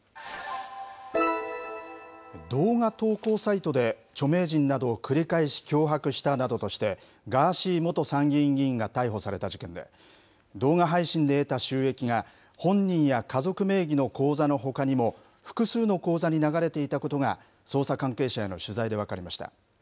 動画投稿サイトで、著名人などを繰り返し脅迫したなどとして、ガーシー元参議院議員が逮捕された事件で、動画配信で得た収益が、本人や家族名義の口座のほかにも、複数の口座に流れていたことが、捜査関係者への取材で分かりました。